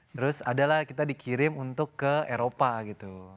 terus adalah kita dikirim untuk ke eropa gitu